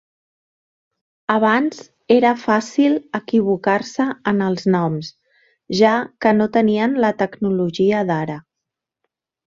Abans era fàcil equivocar-se en els noms, ja que no tenien la tecnologia d'ara.